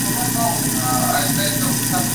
کله چې عدالت پلی شي، کرکه به وده ونه کړي.